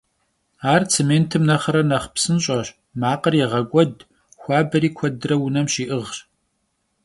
Ar tsêmêntım nexhre nexh psınş'eş, makhır yêğek'ued, xuaberi kuedre vunem şi'ığş.